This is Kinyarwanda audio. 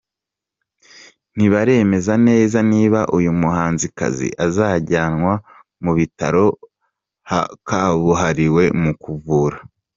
ntibaremeza neza niba uyu muhanzikazi azajyanwa mu bitaro kabuhariwe mu kuvura.